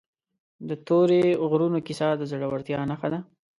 د تورې غرونو کیسه د زړه ورتیا نښه ده.